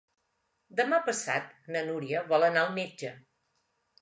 Demà passat na Núria vol anar al metge.